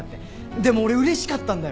でも俺うれしかったんだよ。